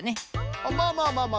ああまあまあ